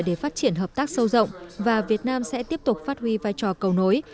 để phát triển hợp tác sâu rộng và việt nam sẽ tiếp tục phát huy vai trò cầu nối